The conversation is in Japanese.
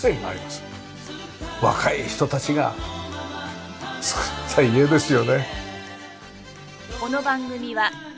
若い人たちが造った家ですよね。